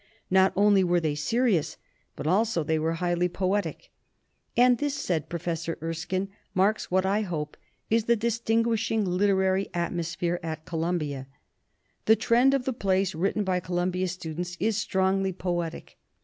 Not only were they serious, but also they were highly poetic. "And this," said Professor Erskine, "marks what I hope is the distinguishing literary atmos phere at Columbia. The trend of the plays written by Columbia students is strongly poetic.